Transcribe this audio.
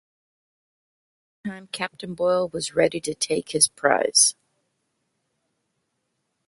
This time Captain Boyle was ready to take his prize.